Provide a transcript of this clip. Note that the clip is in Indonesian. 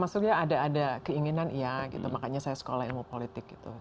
maksudnya ada ada keinginan iya gitu makanya saya sekolah ilmu politik gitu